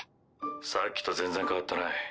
さっきと全然変わってない。